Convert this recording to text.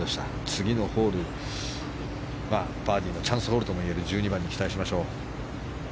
次のホール、バーディーのチャンスホールともいえる１２番に期待しましょう。